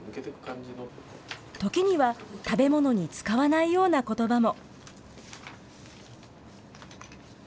時には食べ物に使わないようなことばも。